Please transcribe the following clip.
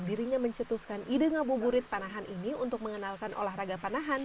dirinya mencetuskan ide ngabuburit panahan ini untuk mengenalkan olahraga panahan